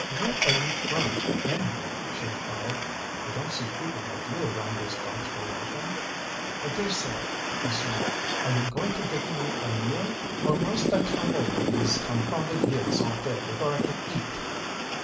"Where are you from, anyway?" she inquired. "We don't see people like you around these parts very often." "I dare say," he snarled. "Are you going to get me a meal, or must I tramp over these confounded hills all day before I can eat?"